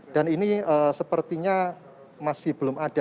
ini sepertinya masih belum ada